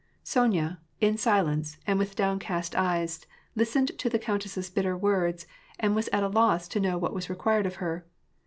Sonya, in silence, and with downcast eyes, listened to the countess's bitter words, and was at a loss to know what was required of her.